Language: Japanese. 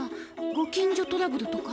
ご近所トラブルとか？